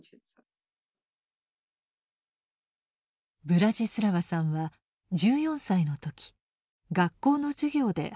ブラジスラワさんは１４歳の時学校の授業で俳句に出会いました。